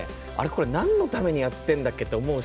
これなんのためにやってるんだっけ？って思う